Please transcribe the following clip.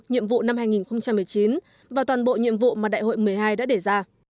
nhiệm vụ năm hai nghìn một mươi chín và toàn bộ nhiệm vụ mà đại hội một mươi hai đã đề ra